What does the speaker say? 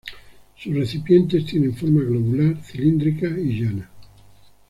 Sus recipientes tienen forma globular, cilíndrica y llana.